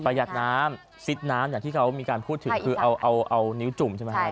หยัดน้ำซิดน้ำอย่างที่เขามีการพูดถึงคือเอานิ้วจุ่มใช่ไหมครับ